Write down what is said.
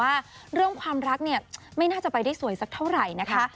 ว่าเรื่องความรักเนี่ยไม่น่าจะไปได้สวยสักเท่าไหร่นะคะ